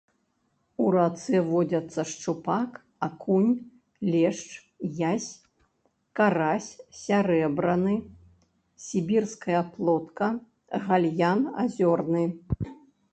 У рацэ водзяцца шчупак, акунь, лешч, язь, карась сярэбраны, сібірская плотка, гальян азёрны.